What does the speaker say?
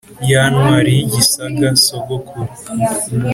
ya ntwari y’igisaga, sogokuru,